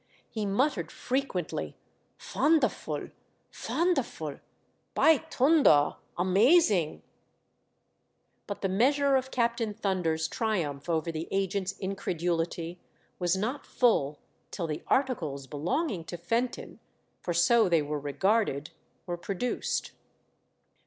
He muttered, frequently, "Fonderful! fonderful! Bytoonder, amazing !" But the measure of Captain Thunder's triumph over the agent's incredu lity was not full till the articles belonging to Fenton — for so they were regarded — were produced.